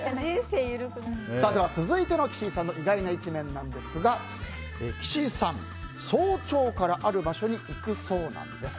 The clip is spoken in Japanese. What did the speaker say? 続いての岸井さんの意外な一面なんですが岸井さん、早朝からある場所に行くそうなんです。